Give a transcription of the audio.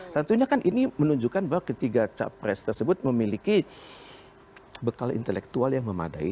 tentunya kan ini menunjukkan bahwa ketiga capres tersebut memiliki bekal intelektual yang memadai